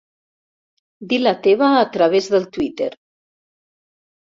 Dir la teva a través del Twitter.